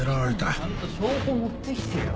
ちゃんと証拠持ってきてよ